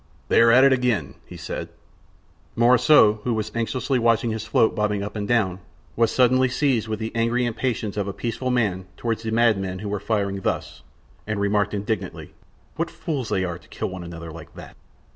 "They are at it again!" he said. Morissot, who was anxiously watching his float bobbing up and down, was suddenly seized with the angry impatience of a peaceful man toward the madmen who were firing thus, and remarked indignantly: "What fools they are to kill one another like that!"